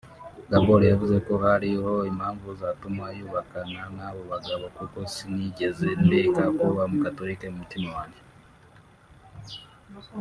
Gabor yavuze ko hariho impamvu zatuma yubakana n’abo bagabo “ kuko sinigeze ndeka kuba umukatolika mu mutima wanje